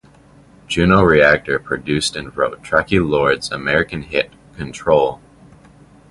Juno Reactor produced and wrote Traci Lords's American hit "Control".